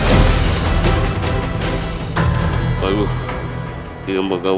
kalau tidak itu adalah sebenarnya tentang si orang orang sukar ini